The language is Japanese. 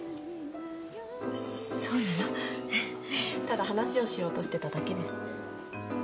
ただ話をしようとしてただけです。